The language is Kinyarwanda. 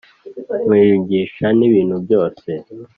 imwiyungisha n’ibintu byose